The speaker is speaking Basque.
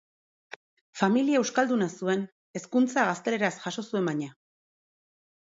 Familia euskalduna zuen, hezkuntza gazteleraz jaso zuen baina.